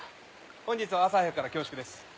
本日は朝早くから恐縮です。